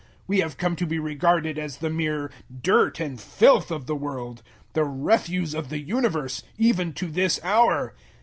We have come to be regarded as the mere dirt and filth of the world the refuse of the universe, even to this hour.